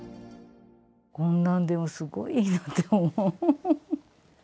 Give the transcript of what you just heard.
こんなんでもすごいいいなって。